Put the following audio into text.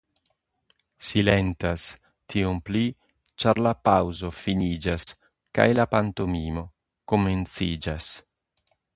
Silentas, tiom pli, ĉar la paŭzo finiĝas kaj la pantomimo komenciĝas.